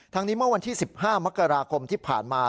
นี้เมื่อวันที่๑๕มกราคมที่ผ่านมา